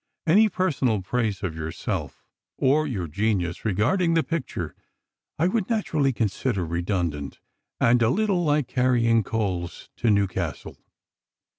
Any personal praise of yourself or your genius regarding the picture I would naturally consider redundant and a little like carrying coals to Newcastle....